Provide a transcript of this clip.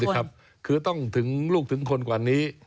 นั่นสิครับคือต้องถึงลูกถึงคนกว่านี้